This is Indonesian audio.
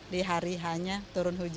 di hari hanya turun hujan